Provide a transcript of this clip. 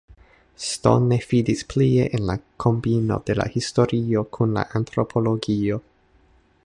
Stone fidis plie en la kombino de la historio kun la antropologio.